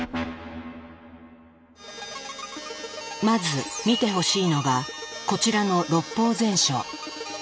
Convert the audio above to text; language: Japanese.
まず見てほしいのがこちらの「六法全書」。